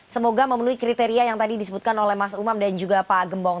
semoga memenuhi kriteria yang tadi disebutkan oleh mas umam dan juga pak gembong